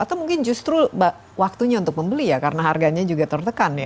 atau mungkin justru waktunya untuk membeli ya karena harganya juga tertekan ya